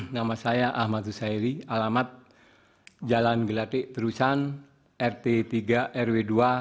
nama saya ahmad husairi alamat jalan gelatik terusan rt tiga rw dua